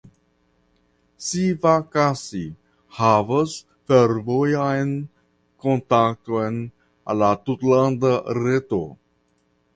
Sivakasi havas fervojan kontakton al la tutlanda reto.